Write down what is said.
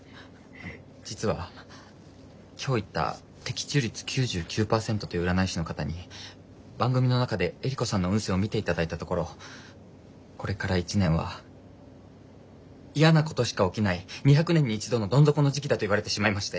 実は今日行った的中率９９％という占い師の方に番組の中でエリコさんの運勢を見て頂いたところこれから１年はイヤなことしか起きない２００年に一度のどん底の時期だと言われてしまいまして。